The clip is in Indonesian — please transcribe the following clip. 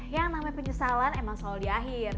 yang namanya penyesalan emang soal di akhir